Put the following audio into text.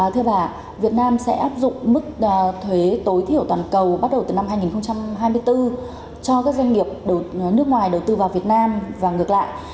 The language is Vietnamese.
thế và việt nam sẽ áp dụng mức thuế tối thiểu toàn cầu bắt đầu từ năm hai nghìn hai mươi bốn cho các doanh nghiệp nước ngoài đầu tư vào việt nam và ngược lại